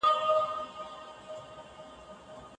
که هغه حالت دوام کړی وای نو موږ به مخکې تللي وو.